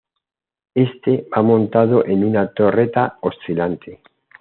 Éste va montado en una torreta oscilante.